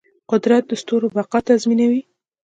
قدرت د ستورو بقا تضمینوي.